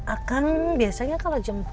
akan biasanya kalau jual rumahnya